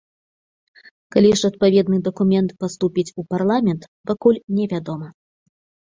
Калі ж адпаведны дакумент паступіць у парламент, пакуль невядома.